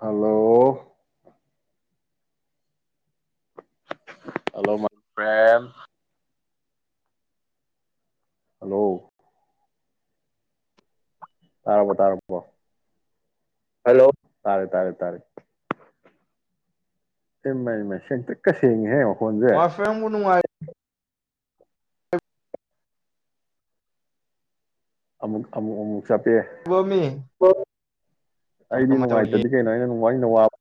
Hello. Hello my friend. Hello. ꯇꯥꯔꯕꯣ ꯇꯥꯔꯕꯣ hello ꯇꯥꯔꯦ ꯇꯥꯔꯦ ꯇꯥꯔꯦ꯫ ꯏꯃꯩ ꯃꯩ ꯁꯦꯡꯇ꯭ꯔꯤꯛꯀ ꯁꯦꯡ [unintelligible] ꯃꯥꯏ ꯐ꯭ꯔꯦꯟ ꯅꯪꯕꯨ ꯅꯨꯡꯉꯥꯏ ꯑꯃꯨꯛ ꯑꯃꯨ ꯑꯃꯨꯛ ꯆꯞꯄꯦ ꯃꯤ [unintelligible] ꯀꯃꯥꯏ ꯑꯩꯗꯤ ꯀꯃꯥꯏ ꯇꯧꯔꯤꯒꯦ ꯅꯨꯡꯉꯥꯏꯇꯗꯤ ꯀꯩꯅꯣ ꯑꯩꯅ ꯅꯨꯡ ꯑꯩꯅ ꯋꯥꯕꯨ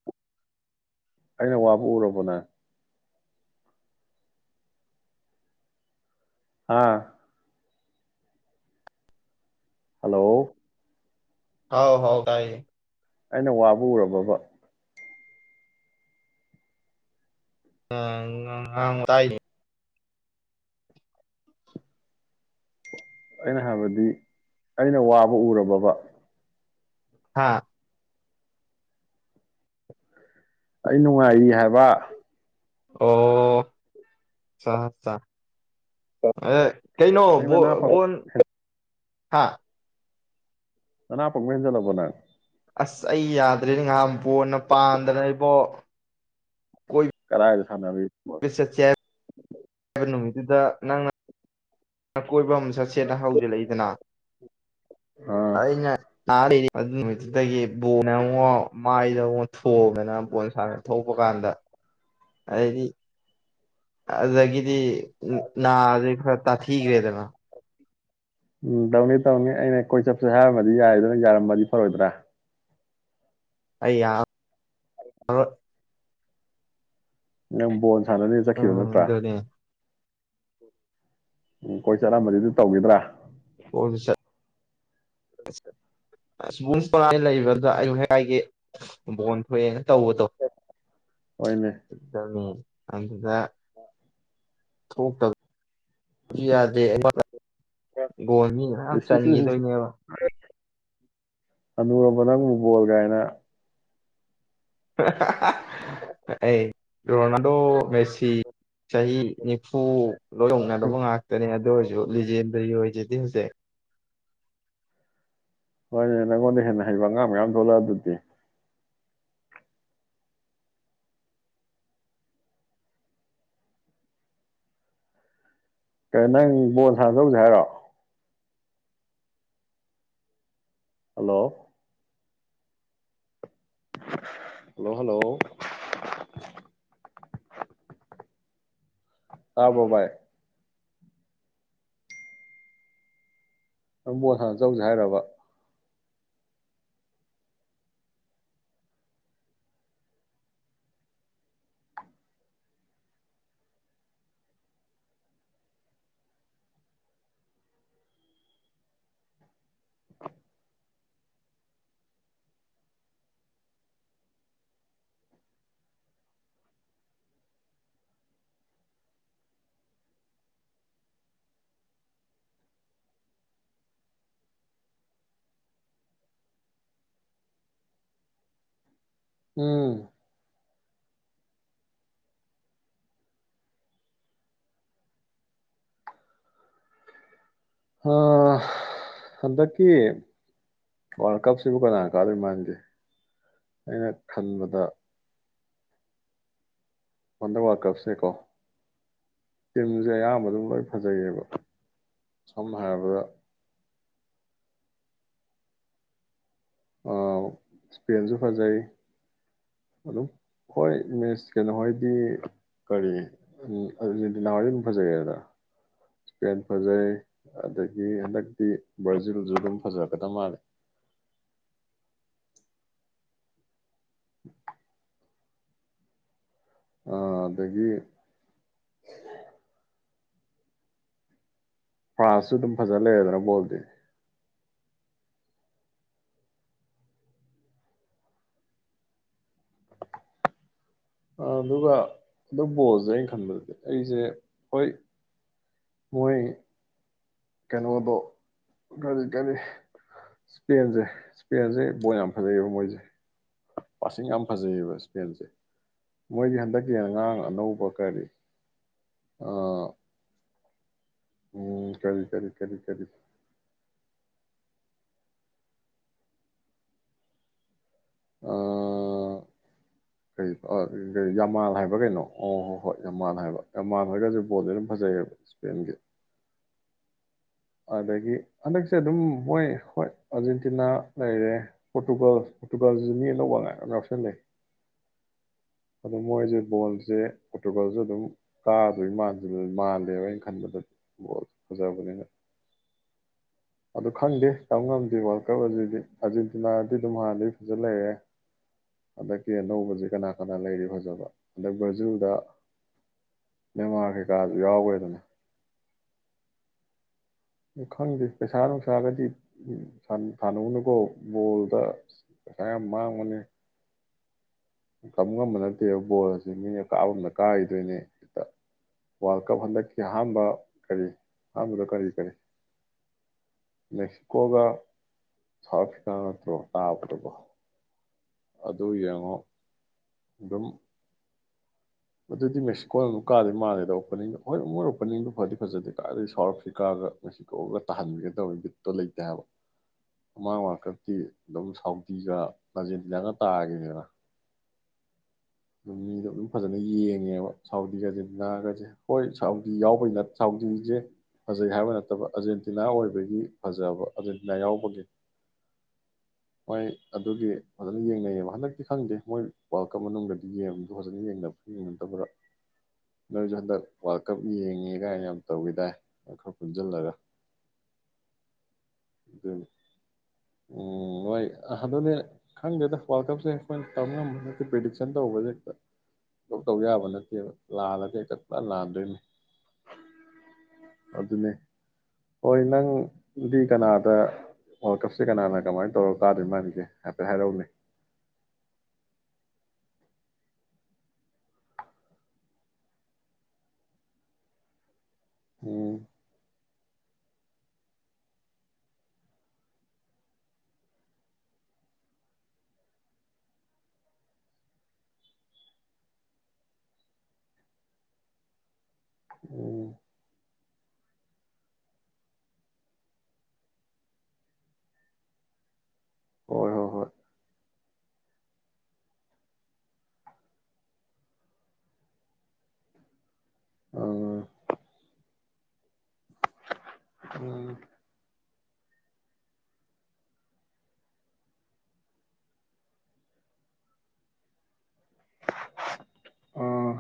ꯑꯩꯅ ꯋꯥꯕꯨ ꯎꯔꯕꯣ ꯅꯪ꯫ ꯑꯥ꯫ ꯍꯜꯂꯣ꯫ ꯍꯥꯎ ꯍꯥꯎ ꯇꯥꯏꯌꯦ꯫ ꯑꯩꯅ ꯋꯥꯕꯨ ꯎꯔꯕꯣꯕ꯫ ꯑꯥ [unintelligible] ꯇꯥꯏꯅꯦ꯫ ꯑꯩꯅ ꯍꯥꯏꯕꯗꯤ ꯑꯩꯅ ꯋꯥꯕ ꯎꯔꯕꯣꯕ꯫ ꯍꯥꯥ꯫ ꯑꯩ ꯅꯨꯡꯉꯥꯏꯔꯤ ꯍꯥꯏꯕ꯫ ꯑꯣ ꯆ ꯆ [unintelligible] ꯀꯩꯅꯣ ꯅꯪ ꯕꯣ ꯅꯅꯥ ꯄꯪ ꯕꯣꯟ ꯍꯥꯥ꯫ ꯅꯥꯅ ꯄꯪꯕ ꯍꯦꯟꯖꯜꯂꯕꯣ ꯅꯪ꯫ ꯑꯁ ꯑꯩ ꯌꯥꯗ꯭ꯔꯦꯅꯦ ꯉꯍꯥꯟ ꯕꯣꯟꯅ ꯄꯥꯟꯗꯅ ꯏꯕꯣ꯫ ꯀꯔꯥꯏꯗ ꯁꯥꯟꯅꯔꯨꯏ꯫ [unintelligible] ꯑꯗꯨꯗ ꯅꯪꯅ ꯑ ꯀꯣꯏꯕ ꯑꯃ ꯆꯠ ꯠꯅ ꯍꯧꯖꯤꯜꯂꯛꯏꯗꯅ ꯑꯥ ꯑꯩꯅ ꯑꯗꯨ ꯅꯨꯃꯤꯠꯇꯨꯗꯒꯤ ꯕꯣꯟꯅꯦ ꯑꯃꯨꯛ ꯃꯥꯏꯗ ꯑꯃꯨꯛ ꯊꯣꯡꯗꯅ ꯕꯣꯜ ꯁꯅ ꯊꯄ ꯀꯥꯟꯗ ꯑꯗꯤ ꯑꯗꯨꯒꯗꯤ ꯅ ꯑꯗꯨ ꯁ ꯇ ꯊꯤꯈꯔꯦꯗꯅ ꯎꯝ ꯇꯧꯅꯤ ꯇꯧꯅꯤ ꯑꯩꯅ ꯀꯣꯏꯆꯞꯁꯦ ꯍꯥꯏꯔꯝꯃꯗꯤ ꯌꯥꯏ ꯑꯗꯨꯅ ꯌꯥꯔꯃꯗꯤ ꯐꯔꯣꯏꯗ꯭ꯔꯥ ꯑ ꯅꯪ ꯕꯣꯜ ꯁꯥꯟꯅꯅꯦꯅ ꯆꯠꯈꯤꯕ ꯎꯝ ꯅꯠꯇ꯭ꯔꯥ ꯑꯗꯨꯅꯦ ꯎꯝ ꯀꯣꯏ ꯆꯠꯂꯝꯝꯕꯗꯤ ꯑꯗꯨ ꯇꯧꯈꯤꯗ꯭ꯔꯥ ꯍꯣꯏ ꯁꯥ ꯑꯕꯨꯡꯥꯏ ꯂꯩꯕꯗꯨꯗ ꯑꯩꯨ ꯍꯥꯏꯦꯛ ꯍꯥꯏꯥꯏꯒꯤ ꯕꯣꯟ ꯊꯣꯛꯑꯦꯅ ꯇꯧꯕꯗꯣ ꯝ ꯍꯗ ꯍ ꯊꯣꯛ ꯇ ꯁꯨ ꯌꯥꯗꯦ ꯑꯩꯉꯣꯟ ꯒꯣꯣꯟ ꯃꯤ ꯃꯌꯥꯝ ꯆꯟꯈꯤꯗꯣꯏꯅꯦꯕ ꯑꯗꯨꯝꯕ ꯅꯪꯕꯨꯨꯕꯣꯜ ꯀꯥꯏꯅ ꯑꯦ ꯔꯣꯅꯥꯜꯗꯣ ꯃꯦꯁꯤ ꯆꯍꯤ ꯅꯤꯐꯨ ꯂꯣꯏꯊꯣꯛꯅꯕ ꯉꯥꯛꯇꯅꯦ ꯑꯗꯨ ꯑꯣꯏꯔꯁꯨ ꯂꯤꯖꯦꯟꯗꯒꯤ ꯑꯣꯏꯁꯤꯗꯤ ꯍꯧꯖꯤꯛ ꯍꯣꯏꯅꯦ ꯅꯪꯉꯣꯟꯗ ꯍꯦꯟꯅ ꯍꯩꯕ ꯑꯉꯥꯡ ꯃꯌꯥꯝ ꯊꯣꯛꯂꯛꯑ ꯑꯗꯨꯗꯤ ꯀ ꯅꯪ ꯕꯣꯜ ꯁꯥꯟꯅꯗꯧꯁꯦ ꯍꯥꯏꯔꯣ ꯍꯂꯣ ꯍꯂꯣ ꯍꯜꯂꯣ ꯑꯥꯕꯣꯕꯥꯏ ꯑꯗꯨ ꯃꯣꯠꯁꯥ ꯑꯆꯧꯁꯦ ꯍꯥꯏꯔꯕ ꯎꯝ ꯍꯟꯗꯛꯀꯤ ꯋꯥꯔꯜ ꯀꯞꯁꯤꯕꯨ ꯀꯅꯥ ꯀꯥꯗꯣꯏ ꯃꯜꯁꯦ ꯑꯩꯅ ꯈꯟꯕꯗ ꯋꯥꯟꯗꯔ ꯋꯥꯔꯜ ꯀꯞꯁꯦꯀꯣ ꯇꯝꯁꯦ ꯑꯌꯥꯝꯕ ꯑꯗꯨꯝ ꯂꯣꯏ ꯐꯖꯩꯌꯦꯕ ꯁꯝꯅ ꯍꯥꯏꯔꯕꯗ ꯏꯁꯄꯦꯟꯁꯨ ꯐꯖꯩ ꯑꯗꯨꯝ ꯍꯣꯏ ꯏꯃꯦꯖ ꯀꯩꯅꯣꯍꯔꯗꯤ ꯀꯔꯤꯖꯦꯟꯇꯤꯅꯥꯍꯔꯗꯤ ꯑꯗꯨꯝ ꯐꯖꯩ ꯑꯗ ꯏꯁꯄꯦꯟ ꯐꯖꯩ ꯑꯗꯒꯤ ꯍꯟꯗꯛꯇꯤ ꯕ꯭ꯔꯥꯖꯤꯜꯁꯨ ꯑꯗꯨꯝ ꯐꯖꯔꯀꯗ ꯃꯥꯜꯂꯦ ꯑ ꯑꯗꯒꯤ ꯐ꯭ꯔꯥꯟꯥꯁꯁꯨ ꯑꯗꯨꯝ ꯐꯖꯅ ꯂꯩꯔꯗꯅ ꯣꯗꯤ ꯑꯗꯨꯒ ꯑꯗꯨ ꯕꯣꯜꯁꯦ ꯑꯩꯅ ꯈꯟꯕꯗꯗꯤ ꯑꯩꯁꯦ ꯍꯣꯏ ꯃꯣꯏ ꯀꯩꯅꯣꯗꯣ ꯀꯔꯤ ꯀꯔꯤ ꯏꯁꯄꯦꯟꯁꯦ ꯏꯁꯄꯦꯟꯁꯦ ꯕꯣꯜ ꯌꯥꯝ ꯐꯖꯩꯑꯕ ꯃꯣꯏꯁꯦ ꯄꯁꯤꯡ ꯌꯥꯝ ꯐꯖꯩꯌꯦꯕ ꯏꯁꯄꯦꯟꯁꯦ ꯃꯣꯏꯒꯤ ꯍꯟꯗꯛꯀꯤ ꯑꯉꯥꯡ ꯑꯅꯧꯕ ꯀꯔꯤ ꯎꯝ ꯀꯔꯤ ꯈꯔꯤ ꯀꯔꯤ ꯈꯔꯤ ꯑꯣ ꯀꯩ ꯌꯥꯝꯃꯥꯜ ꯍꯥꯏꯕ ꯀꯩꯅꯣ ꯑꯣ ꯍꯣꯏ ꯍꯣꯏ ꯌꯥꯝꯃꯥꯜ ꯍꯥꯏꯕ ꯌꯥꯝꯃꯥꯜ ꯍꯥꯏꯔꯒꯁꯨ ꯕꯣꯜꯁꯦ ꯑꯗꯨꯝ ꯐꯖꯩꯌꯦꯕ ꯏꯁꯄꯦꯟꯒꯤ ꯑꯗꯒꯤ ꯍꯟꯗꯛꯁꯦ ꯑꯗꯨꯝ ꯃꯣꯏ ꯍꯣꯏ ꯑꯥꯔꯖꯦꯟꯇꯤꯅꯥ ꯂꯩꯔꯦ ꯄꯣꯔꯇꯨꯒꯜ ꯄꯣꯔꯇꯨꯒꯥꯜꯁꯤꯁꯨ ꯃꯤ ꯑꯅꯧꯕꯉꯥꯡ ꯌꯥꯎꯁꯜ ꯂꯩ ꯑꯗꯣ ꯃꯣꯏꯁꯦ ꯕꯣꯜꯁꯦ ꯄꯣꯔꯇꯨꯒꯥꯜꯁꯨ ꯑꯗꯨꯝ ꯀꯥꯗꯣꯏ ꯃꯥꯜꯂꯦꯕ ꯑꯩꯅ ꯈꯟꯕꯗ ꯕꯣꯜ ꯐꯖꯕꯅꯤꯅ ꯑꯗꯨ ꯈꯪꯗꯦ ꯇꯝ ꯉꯝꯗꯦ ꯋꯥꯔꯜ ꯀꯞ ꯑꯁꯤꯗꯤ ꯑꯥꯔꯖꯦꯟꯇꯤꯅꯥꯗꯤ ꯑꯗꯨꯝ ꯍꯥꯟꯅꯗꯤ ꯐꯖ ꯂꯩꯔꯦ ꯍꯟꯗꯛꯀꯤ ꯑꯅꯧꯕꯁꯤ ꯀꯅꯥ ꯀꯅꯥ ꯂꯩꯔꯤ ꯐꯖꯕ ꯑꯗ ꯕ꯭ꯔꯖꯨꯗ ꯃꯦꯟꯃꯥꯔ ꯀꯩꯀꯥꯁꯨ ꯌꯥꯎꯋꯦꯗꯅ ꯈꯪꯗꯦ ꯄꯩꯁꯥ ꯅꯨꯡꯁꯥꯒꯗꯤ ꯁꯥꯟꯅꯧꯅꯨꯀꯣ ꯕꯣꯜꯗ ꯄꯩꯁꯥ ꯌꯥꯝ ꯃꯥꯡꯕꯅꯤ ꯀꯝ ꯉꯝꯕ ꯅꯠꯇꯦꯕ ꯕꯣꯜ ꯑꯁꯤ ꯃꯤꯅ ꯀꯥꯕꯗ ꯀꯥꯈꯤꯗꯣꯏꯅꯦ ꯍꯦꯛꯇ ꯋꯥꯔꯜ ꯀꯞ ꯍꯟꯗꯛꯀꯤ ꯑꯍꯥꯟꯕ ꯀꯔꯤ ꯑꯍꯥꯟꯕꯗ ꯀꯔꯤ ꯀꯔꯤ ꯃꯦꯛꯁꯤꯀꯣꯒ ꯁꯥꯎꯐ ꯀꯅꯠꯇꯣ ꯇꯥꯔꯕꯣ ꯑꯗ ꯌꯦꯉꯣ ꯑꯗꯨꯝ ꯑꯗꯨꯗꯤ ꯃꯦꯛꯁꯤꯀꯣꯅ ꯑꯃꯨꯛ ꯀꯥꯗꯦ ꯃꯥꯜꯂꯦꯗ ꯑꯣꯄꯅꯤꯡꯗꯣ ꯍꯣꯏ ꯃꯣꯏ ꯑꯣꯄꯅꯤꯡꯗꯣ ꯐꯗꯤ ꯐꯖꯗꯦ ꯀꯥꯗꯗꯤ ꯁꯥꯎꯠ ꯑꯐ꯭ꯔꯤꯀꯥꯒ ꯃꯦꯛꯁꯤꯀꯣꯒ ꯇꯥꯍꯟꯕꯤꯒꯗꯧꯅꯤ ꯕꯤꯠꯇꯣ ꯂꯩꯇꯦ ꯍꯥꯏꯕ ꯑꯃꯥꯡ ꯑꯃꯀꯛꯇꯤ ꯑꯗꯨꯝ ꯁꯥꯎꯗꯤꯤꯒ ꯑꯥꯔꯖꯦꯟꯇꯤꯅꯥꯒ ꯇꯥꯈꯤꯅꯤꯅ ꯑꯗꯨꯝ ꯃꯤꯗꯣ ꯑꯗꯨꯝ ꯐꯖꯅ ꯌꯦꯡꯉꯦꯕ ꯁꯥꯎꯗꯤꯒ ꯑꯥꯔꯖꯦꯟꯇꯤꯅꯥꯒꯁꯦ ꯍꯣꯏ ꯁꯥꯎꯗꯤ ꯌꯥꯎꯕꯩ ꯁꯥꯎꯗꯤꯁꯦ ꯐꯖꯩ ꯍꯥꯏꯕ ꯅꯠꯇꯕ ꯑꯥꯔꯖꯦꯟꯇꯤꯅꯥ ꯑꯣꯏꯕꯒꯤ ꯐꯖꯕ ꯑꯥꯔꯖꯦꯟꯇꯤꯅꯥ ꯌꯥꯎꯕꯒꯤ ꯍꯣꯏ ꯑꯗꯨꯒꯤ ꯐꯖꯅ ꯌꯦꯡꯅꯩꯌꯦꯕ ꯍꯟꯗꯛꯇꯤ ꯈꯪꯗꯦ ꯃꯣꯏ ꯋꯥꯔꯜ ꯀꯞ ꯃꯅꯨꯡꯗꯗꯤ ꯌꯦꯡꯕꯗꯣ ꯐꯖꯅ ꯌꯦꯡꯅꯕ ꯌꯦꯡꯅꯛꯇꯕꯗ ꯅꯣꯏꯁꯨ ꯍꯟꯗꯛ ꯋꯥꯔꯜ ꯀꯞ ꯌꯦꯡꯉꯤ ꯀꯥꯏꯅ ꯌꯥꯝ ꯇꯧꯋꯤꯗꯥꯏ ꯈꯔ ꯄꯨꯟꯁꯤꯜꯂꯒ ꯑꯗꯨꯅꯤ ꯎꯝ ꯍꯣꯏ ꯑꯗꯨꯅꯦ ꯈꯪꯗꯦꯗ ꯋꯥꯔꯜ ꯀꯞꯁꯦ ꯑꯩꯈꯣꯏꯅ ꯇꯧ ꯉꯝꯕ ꯅꯠꯇꯦ ꯄ꯭ꯔꯤꯗꯤꯛꯁꯟ ꯇꯧꯕꯁꯦ ꯍꯦꯛꯇ ꯇꯧ ꯌꯥꯕ ꯅꯠꯇꯦꯕ ꯂꯥꯜꯂꯗꯤ ꯍꯦꯛꯇ ꯄꯨꯔꯥ ꯂꯥꯟꯗꯣꯏꯅꯤ ꯑꯗꯨꯅꯦ ꯍꯣꯏ ꯅꯪꯗꯤ ꯀꯅꯥꯗ ꯋꯥꯔꯀꯞꯁꯦ ꯀꯅꯥꯅ ꯀꯃꯥꯏꯅ ꯇꯧꯔ ꯀꯥꯗꯣꯏ ꯃꯥꯜꯂꯤꯒꯦ ꯍꯥꯏꯐꯦꯠ ꯍꯥꯏꯔꯛꯎꯅꯦ ꯎꯝ ꯎꯝ ꯍꯣꯏ ꯍꯣꯏ ꯍꯣꯏ ꯎꯝ ꯎꯝ ꯑꯥ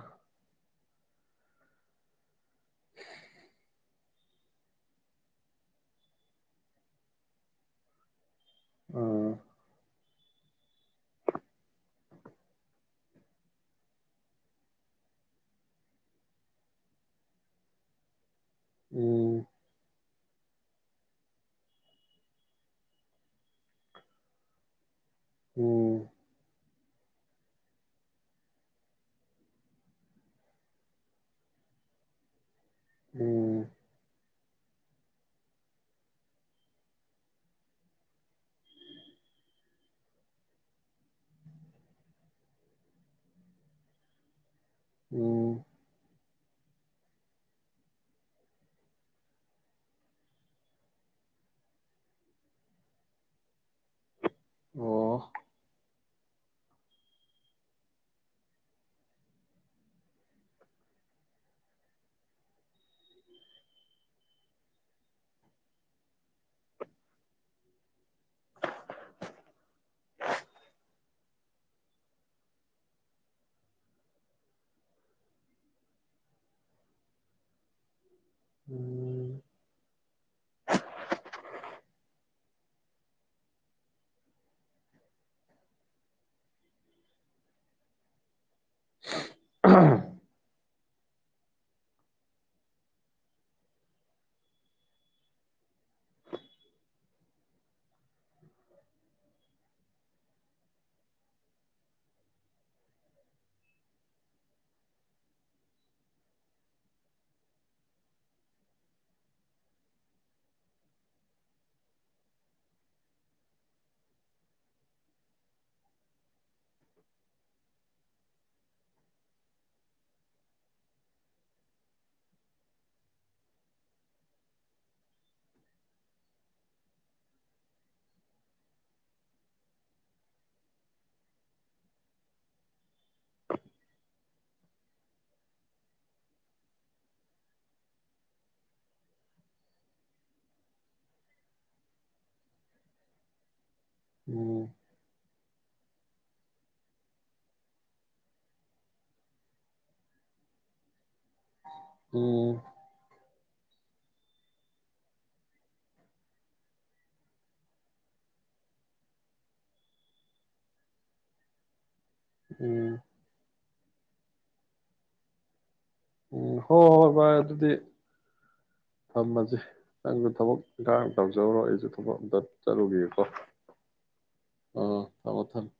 ꯑꯥ ꯎꯝ ꯎꯝ ꯎꯝ ꯎꯝ ꯑꯣ ꯎꯝ [unintelligible] ꯎꯝ ꯎꯝ ꯎꯝ ꯎꯝ ꯍꯣꯏ ꯍꯣꯏ ꯚꯥꯏ ꯑꯗꯨꯗꯤ ꯊꯝꯃꯁꯤ ꯅꯪꯁꯨ ꯊꯕꯛ ꯏꯪꯀꯥꯡ ꯇꯧꯖꯧꯔꯣ ꯑꯩꯁꯨ ꯊꯕꯛ ꯑꯝꯇ ꯆꯠꯂꯨꯒꯦꯨꯀꯣ ꯑꯥ ꯊꯝꯃꯣ ꯊꯝꯃꯣ